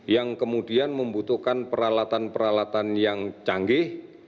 yang kemudian membutuhkan peralatan peralatan yang canggih